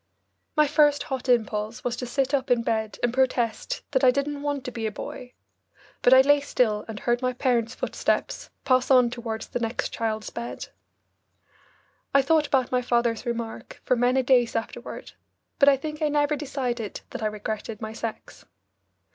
My first hot impulse was to sit up in bed and protest that I didn't want to be a boy, but I lay still and heard my parents' footsteps pass on toward the next child's bed. I thought about my father's remark for many days afterward, but I think I never decided that I regretted my sex.